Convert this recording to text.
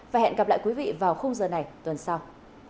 và hẹn gặp lại quý vị vào khung giờ này tuần sau